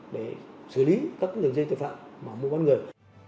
để xử lý các đường dây tội phạm mà mua bán người